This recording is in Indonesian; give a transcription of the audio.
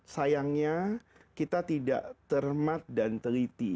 sayangnya kita tidak cermat dan teliti